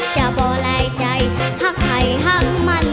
จะบ่รายใจหักไข่หักมัน